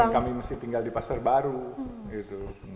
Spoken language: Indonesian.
jaman kami masih tinggal di pasar baru gitu